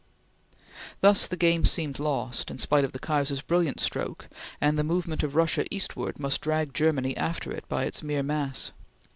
Thus the game seemed lost, in spite of the Kaiser's brilliant stroke, and the movement of Russia eastward must drag Germany after it by its mere mass.